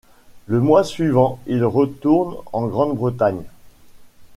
Le mois suivant, il retourne en Grande-Bretagne.